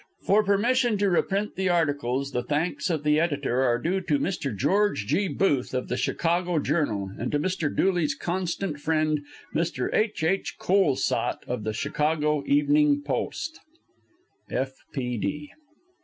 For permission to reprint the articles the thanks of the editor are due to Mr. George G. Booth, of the Chicago Journal, and to Mr. Dooley's constant friend, Mr. H.H. Kohlsaat, of the Chicago Evening Post. F. P.